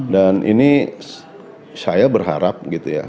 dan ini saya berharap gitu ya